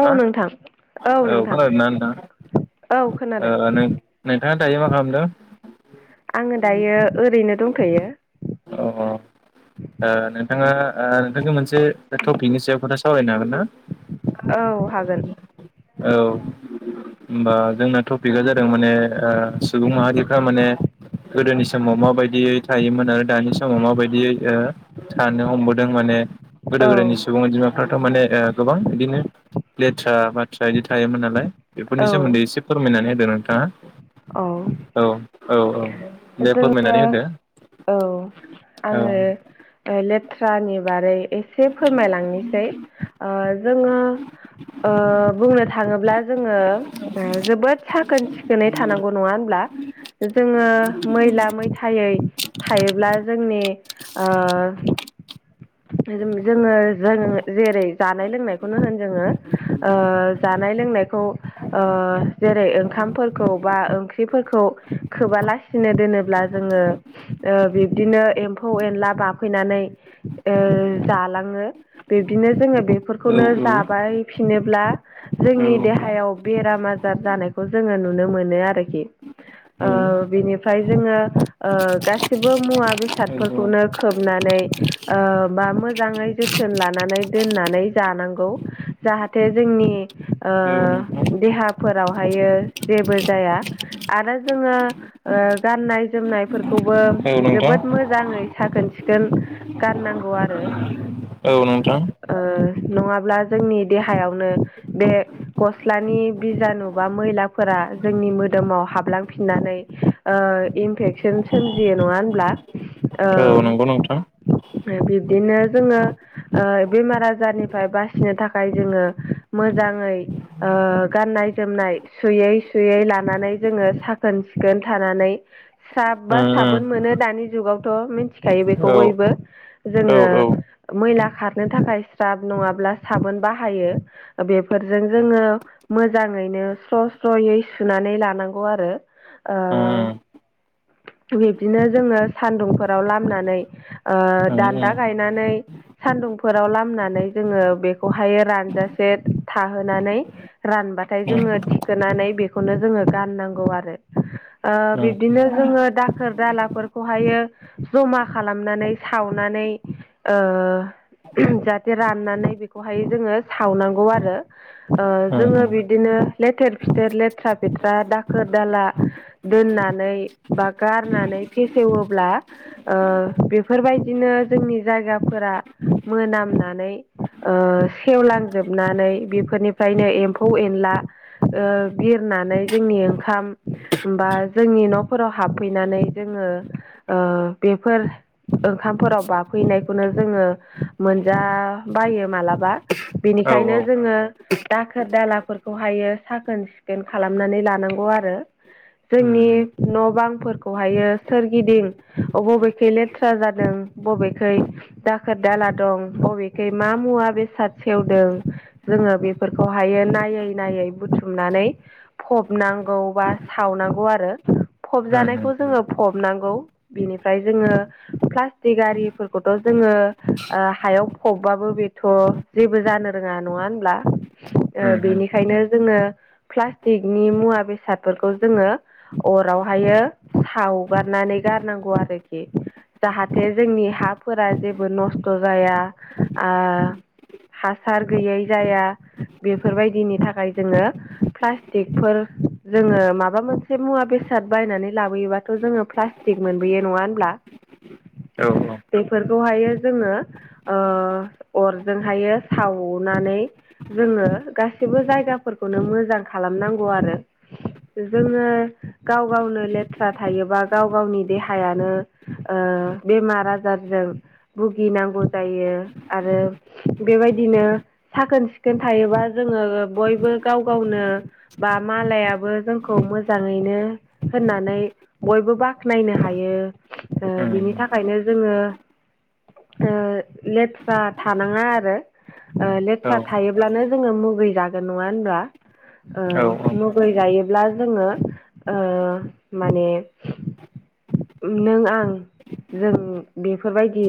औ नोंथां औ खोनादों ना नोंथां औ खोनादों ओ नोंथाङा दायो मा खालामदों? आङो दायो ओरैनो दंथायो अ अ नोंथाङा ओ नोंथांनि मोनसे टपिकनि सायाव खोथा सावरायनो हागोन ना औ होगोन औ होमबा जोंना टपिकआ जादों माने ओ सुबुं माहारिफ्रा माने गोदोनि समाव माबायदियै थायोमोन आरो दानि समाव माबायदियै ओ थानो हमबोदों माने गोदो औ गोदायनि सुबुं अनजिमाफ्राथ' ओ माने गोबां बिदिनो लेथ्रा बाथ्रा बिदि थायोमोन नालाय बेफोरनि औ सोमोन्दै एसे फोरमायनानै होदों नोंथाङा। औ औ औ औ दे जोङो फोरमायनानै होदो औ औ आङो लेथ्रानि बारै एसे फोरमायलांनिसै जोङो ओ बुंनो थाङोब्ला जोङो ओ जोबोद साखोन सिखो थानांगौ नङा होनब्ला जोङो मैला मैथायै थायोब्ला जोंनि ओ जोङो जोंङो जेरै जानाय लोंनायखौनो होन जोङो ओ जानाय लोंनाय ओ जेरै ओंखामफोरखौ बा ओंख्रिफोरखौ खोबालासि सिनो दोनोब्ला जोङो ओ बिब्दिनो एम्फौ एनला बाफैनानै ओ जालाङो बिब्दिनो जोङो बेफोरखौनो औ औ जाबाय फिनोब्ला औ नोंथां जोंनि देहा हायाव बेराम आजार जानायखौ जोङो नुनो मोनो आरोखि [inaudible] ओ बिनिफ्राय जोङो ओ गासिबो मुवा बेसादफोरखौनो खोबनानै ओ बा मोजाङै जोथोन लानो नानै दोननानै जानांगौ जाहाथे जोंनि ओ देहाफोरावहायो जेबो जाया। आरो जोङो ओ गाननाय जोमनाय खौबो जोबोद मोजाङै साखोन सिखोन नांगौ आरो औ नोंथां ओ ओ नङाब्ला जोंनि देहायावनो बे गस्लानि बिजानु बा मैला फोरा जोंनि मोदोमाव हाबलांफिननानै ओ इनफेकसन सोमजियो नङा होनब्ला। औ नंगौ नोंथां। ओ बिब्दिनो जोङो ओ बेमार आजारनिफ्राय बासिनो थाखाय जोङो मोन मोजाङै ओ गाननाय जोमनाय सुयै सुयै लानानै जोङो साखोन सिखोन खोन थानानै साब बा उम साबोन मोनो दानि जुगावथ' मिन्थिखायो उम औ बेखौ बयबो औ औ उम जोङो मैला खारनो थाखाय स्राब नङाब्ला साबोन बाहायो बेफोरजों जोङो मोजाङैनो स्र' स्र'यै सुनानै लानांगौ आरो ओ बिब्दिनो जोङो सान्दुंफोराव लामनानै ओ उम दान्दा गायनानै सान्दुंफोराव लामनानै जोङो बेखौहायो रानजासे थाहोनानै रानबाथाय उम जोङो थिखोनानै बेखौनो जोङो गाननांगौ आरो। उम बिब्दिनो जोङो दाखोर दालाफोरखौहायो जमा खालामनानै सावनानै ओ जाहाथे राननानै बेखौहाय जोङो सावनांगौ आरो उम जोङो उम बिदिनो लेथेर फिथेर लेथ्रा फेथ्रा दाखोर दाला दोननानै बा गारनानै नानै फेसेवोब्लाओ बेफोरबायदिनो जोंनि जायगाफोरा मोनामनानै सेवलांजोब हाबनानै बेफोरनिफ्रायनो एम्फौ एनला बिरनानै जोंनि ओंखाम हबा जोंनि न'फोराव हाबफैनानै जोङो बेफोर ओंखामफोराव बाफैनायखौनो जोङो मोनजा बायो मालाबा औ औ बेनिखायनो जोङो दाखोर दालाफोरखौहायो साखोन सिखोन खालामनानै लानांगौ आरो। उम जोंनि न' बांफोरखौहायो सोरगिदिं अबबेख लेथ्रा लेथ्रा जादों बबेखै दाखोर दाला दं बबेखाय मा मुवा बेसाद सेवदों जोङो बेफोरखौहायो नायै नायै बुथुमनानै फबनांगौ बा सावनांगौ आरो उम उम फबजानायखौ जोङो फबनांगौ बिनिफ्राय जोङो प्लास्टिक आरिफोरखौथ' जोङो हायाव ओ फबबाबो बेथ' जेबो जा जानो रोङा नङा होनब्ला उम औ ओ बेनिखायनो जोङो प्लास्टिकनि मुवा बेसादफोरखौ जोङो अरावहायो सावगारनानै गारनांगौ आरोखि। जाहाथे जोंनि हाफोरा जेबो नस्थ' जाया। आ हासार गैयै जाया। बेफोरबायदिनि थाखाय जोङो प्लास्टिकफोर जोङो माबा मोनसे मुवा बेसाद साद बायनानै लाबोयोबाथ' जोङो प्लास्टिक मोनबोयो नङा होनब्ला? औ। उम औ बेफोरखौहायो जोङो ओ अरजोंहायो सावनानै जोङो गासिबो जायगाफोर खौनो मोजां खालामनांगौ आरो। जोङो गाव गावनो लेथ्रा थायोबा गाव गावनि देहायानो ओ [inaudible] बेमार आजारजों भुगिनांगौ जायो आरो बेबायदिनो साखोन सिखोन थायोबा जोङो बयबो गाव गावनो बा मालायाबो जोंखौ मोजाङैनो होननानै बयबो बाख्नायनो हायो। ओ बिनि थाखायनो जोङो ओ लेथ्रा थानाङा आरो ओ लेथ्रा थायोब्लानो जोङो मुगै जागोन नङा होनब्ला? ओ मुगै जायोब्ला जोङो ओ माने नों आं [inaudible] [unintelligible] जों बेफोरबायदि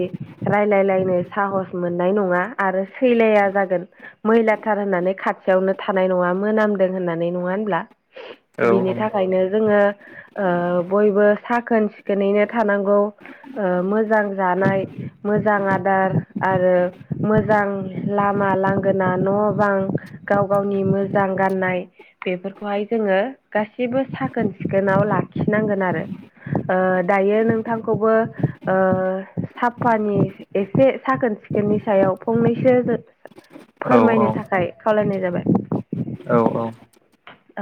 रायलायलायनो साहस मोननाय नङा आरो सैलाया जागोन मैलाथार होननानै खाथियावनो थानाय नङा मोनामदों होननानै नङा होनब्ला बिनि थाखायनो जोङो ओ बयबो साखोन सिखोनैनो थानांगौ। ओ मोजां जानाय मोजां आदार आरो मोजां लामा मा लांगोना न' बां गाव गावनि मोजां गाननाय बेफोरखौहाय जोङो गासैबो साखोन सिखोनाव लाखिनांगोन आरो ओ दायो नोंथांखौबो ओ साफानि एसे साखोन सिखोननि सायाव फं नैसो फोरमायनो थाखाय खावलायनाय औ जाबाय। औ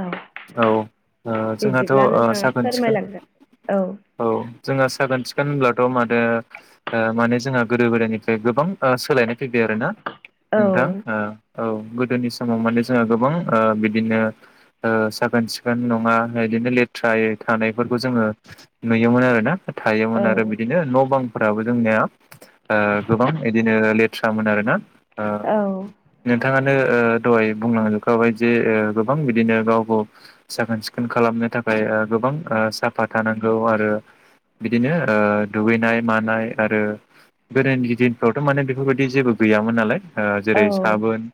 औ ओ जोंहाथ' ओ बिब्दिब्ला नोंथाङा साखोन सिखोन फोरमायलांगोन औ। जोंहा साखोन सिखोन होनब्लाथ' मादो ओ माने जोंहा गोदो गोदायनिफ्राय गोबां ओ सोलायनाय फैबाय आरो ना औ नोंथां ओ औ गोदोनि समाव माने जोंहा गोबां ओ बिदिनो ओ साखोन सिखोन नङा बिदिनो लेथ्रायै थानायफोरखौ जोङो नुयो योमोन आरोना औ थायोमोन आरो बिदिनो न' बांफोराबो जोंनिया ओ इबां बिदिनो लेथ्रामोन आरोना? ओ औ नोंथां नोंथाङानो दहाय बुंलांजोबखाबाय जे गोबां बिदिनो गावखौ साखोन सिखोन खालामनो थाखाय ओ गोबां ओ साफा थानांगौ आरो बिदिनो ओ दुगैनाय मानाय आरो गोदोनि दिनफ्रावथ' माने बेफोरबायदि जेबो गैया। गैयामोन नालाय ओ औ जेरै साबोन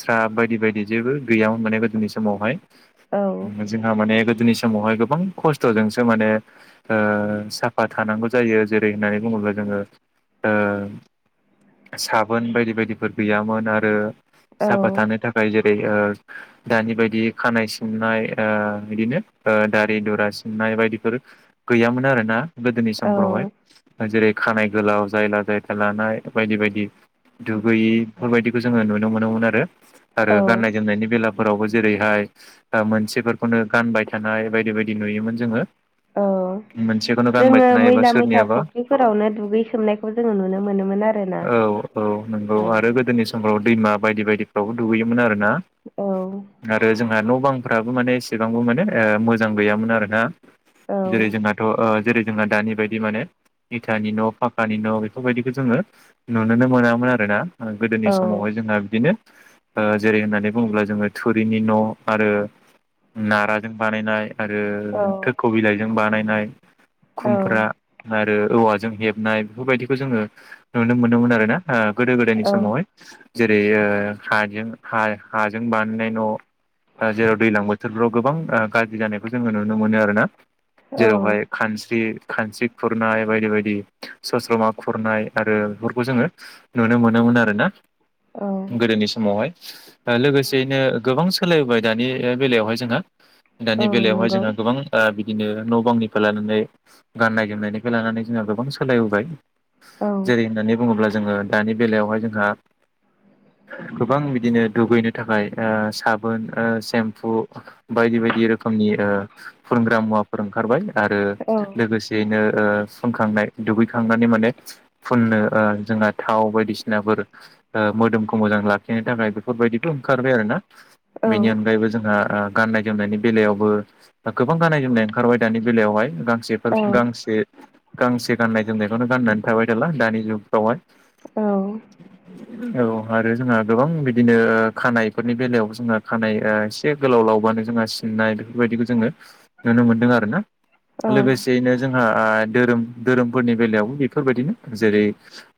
स्राब बायदि बायदि जेबो गैयामोन माने गोदोनि समावहाय। औ जोंहा माने गोदोनि समावहाय गोबां खस्थ'जोंसो माने ओ साफा थानांगौ जायो जेरै होननानै बुङोब्ला जोङो ओ साबोन बायदि बायदिफोर गैयामोन आरो साफा थानो थाखाय जे ओ दानि बायदि खानाय सिननाय ओ बिदिनो ओ दारि दुरा सिन नाय बायदिफोर गैयामोन आरो ना गोदोनि औ समफोरावहाय। ओ जेरै खानाइ गोलाव जायला जायथा लानाय बायदि बायदि। दुगैयि बेफोरबायदिखौ जोङो नुनो मोनोमोन आरो आरो गाननाय जोमनायनि बेला फोरावबो जेरैहाय ओ मोनसेफोरखौनो गानबाय थानाय बायदि बायदि नुयोमोन जोङो। औ [unintelligible] गानबाय जोङो थानाय एबा मैला मैथा सोरनियाबा फुख्रिफोरावनो दुगैसोमनायखौ जोङो नुनो मोनोमोन आ औ औ नंगौ आरो गोदोनि समफ्राव दैमा बायदि बायदि फोरावबो दुगैयोमोन आरो ना औ आरो जों न' बांफ्राबो माने एसेबांबो माने ओ मोजां गैयामोन आरो ना। औ जेरै जोंहाथ' ओ जेरै जोंहा दानि बायदि माने इथानि न' फाकानि न' बेफोरबायदिखौ जोङो नुुनोनो मोनामोन आरो ना। गोदोनि समावहाय जोंहा बिदिनो ओ जेरै होननानै बुङोब्ला जोङो थुरिनि न' आरो नाराजों बानायनाय आरो औ थोख' बिलाइजों बानायनाय। औ खुमफ्रा आरो औवाजों हेबनाय बेफोरबायदिखौ जोङो नुनो मोनदोंमोन आरो ना ओ गोदो गोदायनि समावहाय। जेरै ओ हाजों हा-हाजों बानायनाय न' ओ जेराव दैलां बोथोरफ्राव गोबां ओ गाज्रि जानायखौ जोङो नुनो मोनो आरो ना। औ जेरावहाय खानस्रि खानस्रि खुरनाय बायदि बायदि सस्र'मा खुरनाय आरो बेफोरखौ जोङो नुनो मोनोमोन आरो ना। गोदोनि समावहाय ओ लोगोसेयैनो गोबां सोलायबोबाय दानि ओ बेलायावहाय जोंहा। औ दानि बेलायावहाय नंगौ जोंहा गोबां ओ बि दिनो न' बांनिफ्राय लानानै गाननाय जोमनायनिफ्राय लानानै जोंहा गोबां सोलायबोबाय। औ जेरै होननानै बुङोब्ला जोङो दानि बेलायावहाय जोंहा गोबां बिदिनो दुगैनो थाखाय ओ साबोन ओ सेम्फु बायदि बायदि रोखोमनि ओ फोनग्रा मुवाफोर ओंखारबाय। आरो औ लोगोसेयैनो ओ फुनखांनाय दुगैखांनानै माने फुननो ओ जोंहा थाव बायदिसिनाफोर ओ मोदोमखौ मोजां लाखिनो थाखाय बेफोरबायदिबो ओंखारबाय आरो ना। औ बेनि अनगायैबो जोंहा ओ गाननाय जोमनायनि बेलायावबो दा गोबां गाननाय जोमनाय ओंखारबाय दानि बेलायावहाय। गांसेफोर औ गांसे गांसे गाननाय जोमनायखौनो गाननानै थाबाय थाला दानि जुगफ्रावहाय। औ। औ आरो जोंहा गोबां बिदिनो खानाइफोरनि बेलायाव जोंहा खानाइ ओ एसे गोलाव लावबा नो जोंहा सिननाय बेफोरबायदिखौ जोङो नुनो मोनदों आरो ना। औ लोगोसेयैनो जोंहा ओ धोरोम धोरोमफोरनि बेलायावबो बेफोरबायदिनो। जेरै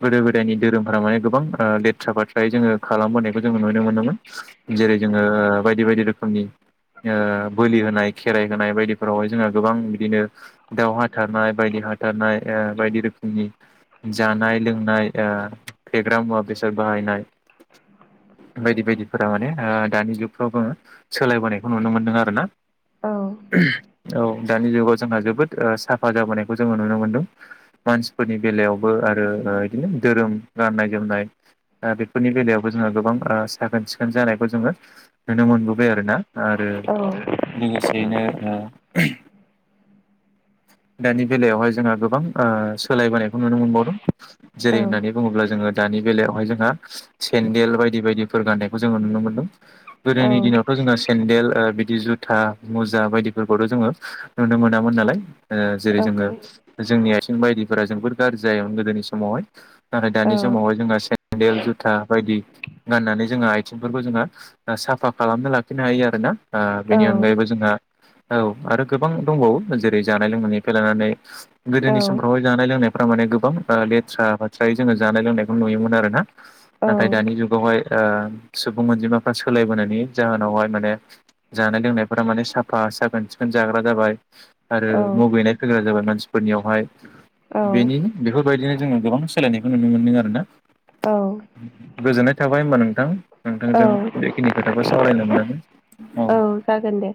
गोदो गोदायनि धोरोमफोरा माने गोबां ओ लेथ्रा फाथ्रायै जोङो खालामबोनायखौ जोङो नुनो मोनो मोन। जेरै जोङो बायदि बायदि रोखोमनि ओ बोलि होनाय खेराइ होनाय बायदिफोरावहाय जोंहा गोबां बिदिनो दाव हाथारनाय बायदि हाथारनाय ओ बायदि रोखोमनि जानाय लोंनाय ओ फेग्रा मुवा बेसाद बाहायनाय बायदि बायदिफोरा माने ओ दानि जुगफ्राव जोङो सोलायबोनायखौ नुनो मोनदों आरो ना। [unintelligible] औ दानि जुगाव जोंहा ओ जोबोद साफा जाबोनायखौ जोङो नुनो मोनदों। मानसिफोरनि बेलायाव बो आरो ओ इदिनो धोरोम गाननाय जोमनाय ओ बेफोरनि बेलायावबो जोंहा गोबां ओ साखोन सिखोन जानायखौ जोङो नुनो मोनबोबाय आरो ना। आरो लोगोसेयैनो ओ [unintelligible] दानि बेलायावहाय जोंहा गोबां ओ सोलायबोनायखौ नुनो मोनबावदों। जेरै होननानै बुङोब्ला जोङो दानि बेलायावहाय जोंहा सेन्देल बायदि बायदिफोर गाननायखौ जोङो नुनो मोन्दों। गोदोनि दिनावथ' जोङो सेन्देल ओ बिदि जुथा मुजा बायदिफोरखौथ' जोङो नुनो मोनामोन नालाय। ओ जेरै जोङो जोंनि आथिं बायदिफोरा जोबोर गाज्रि जायोमोन गोदोनि समावहाय नाथाय दानि समावहाय जोङो सेन्देल जुथा बायदि गाननानै जोङो आइथिंफोरखौ जोङो साफा खालामना लाखिनो हायो आरोना ओ बेनि अनगायैबो जोंहा औ आरो गोबां दंबावो जेरै जानाय लोंनायनिफ्राय लानखनै औ गोदोनि समावहाय जानाय लोंनाय फ्रा माने गोबां लेथ्रा बाथ्राय जोङो जानाय लोंनायखौ नुयोमोन आरो ना औ नाथाय दानि जुगावहाय ओ सुबुं अनजिमाफ्रा सोलायबोनायनि जाहोनावहाय माने जानाय लोंनायफोरा माने साफा साखोन सिखोन जाग्रा जाबाय आरो औ मुगैनाय फैग्रा जाबाय मानसिफोरनियावहाय औ बेनिनो बेफोरबायदिनो जोङो गोबां सोलायनायखौ नुनो मोनदों आरोना औ गोजोननाय थाबाय होमबा नोंथां औ नोंथांजों बेखिनि खोथाखौ सावरायनो मोननानै औ जागोन दे